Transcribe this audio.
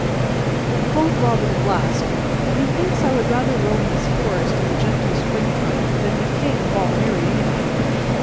Quoth Robin at last, "Methinks I would rather roam this forest in the gentle springtime than be King of all merry England.